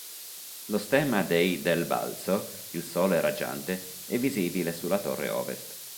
Lo stemma dei Del Balzo, il sole raggiante, è visibile sulla torre ovest.